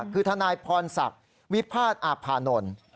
คือทนายพรศักดิ์วิพาทอาพานนท์